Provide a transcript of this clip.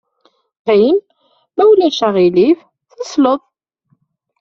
Qqim, ma ulac aɣilif, tesleḍ.